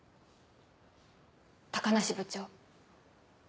高梨部長。